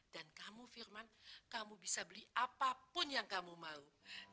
dan kamu firman kamu bisa beli apapun yang kamu mau